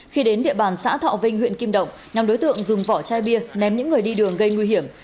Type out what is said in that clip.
khi đến địa bàn xã thọ vinh huyện kim động nhóm đối tượng dùng vỏ chai bia ném những người đi đường gây nguy hiểm